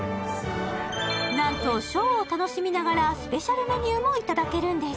なんとショーを楽しみながらスペシャルメニューもいただけるんです。